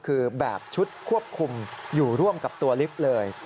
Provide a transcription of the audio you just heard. คือแบบชุดควบคุมอยู่ร่วมกับตัวลิฟต์เลย